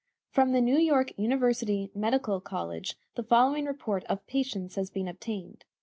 From the New York University Medical College the following report of patients has been obtained.